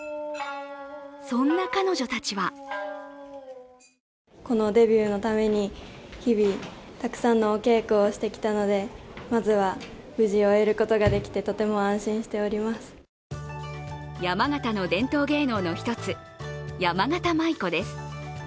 そんな彼女たちは山形の伝統芸能の１つ、やまがた舞子です。